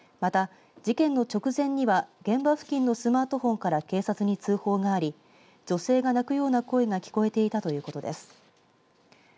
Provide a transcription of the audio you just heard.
また事件の直前には現場付近のスマートフォンから警察に通報があり女性が泣くような声が聞こえていたということです。